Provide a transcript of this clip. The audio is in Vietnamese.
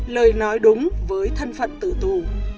lời nói đúng với thân phận tử tù